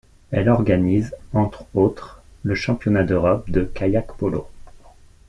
Elle organise, entre autres, le championnat d'Europe de kayak-polo.